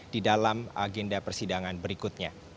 di dalam agenda persidangan berikutnya